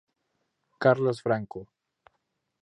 Carlos Franco.